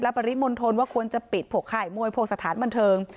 ปริมณฑลว่าควรจะปิดพวกค่ายมวยพวกสถานบันเทิง